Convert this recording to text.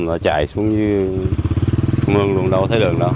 mà chạy xuống như mường đường đâu thấy đường đó